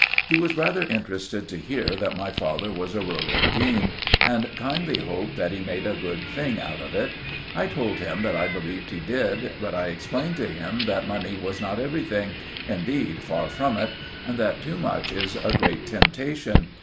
He was rather interested to hear that my father was a rural dean, and kindly hoped that he made a good thing out of it. I told him that I believed he did; but I explained to him that money was not everything—indeed, far from it—and that too much is a great temptation.